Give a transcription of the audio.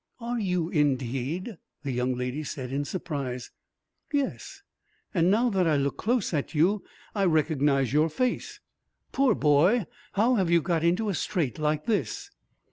"Are you, indeed?" the young lady said, in surprise. "Yes, and now that I look close at you, I recognize your face. Poor boy, how have you got into a strait like this?"